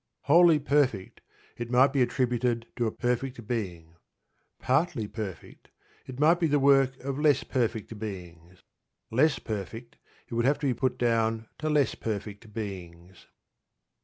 Wholly perfect, it might be attributed to a perfect being. Partly perfect, it might be the work of less perfect beings. Less perfect, it would have to be put down to less perfect beings.